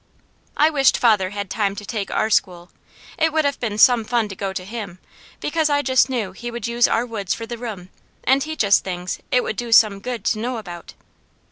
I wished father had time to take our school. It would have been some fun to go to him, because I just knew he would use the woods for the room, and teach us things it would do some good to know about.